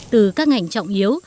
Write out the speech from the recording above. từ các ngành trọng yếu